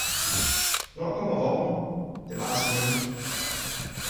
når kommer våren? Det varer så længe!